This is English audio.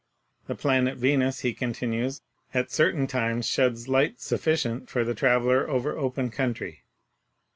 The planet Venus, he continues, at certain times sheds light sufficient for the traveler over open country.